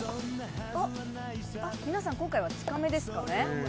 皆さん今回は近めですよね。